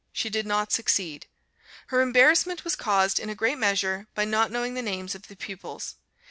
She did not succeed. Her embarrassment was caused in a great measure by not knowing the names of the pupils.